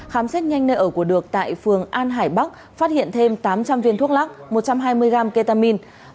khám xét nhanh nơi ở của được tại phường an hải bắc phát hiện thêm tám trăm linh viên thuốc lắc một trăm hai mươi gram ketamine